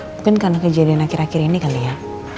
mungkin karena kejadian akhir akhir ini kali ya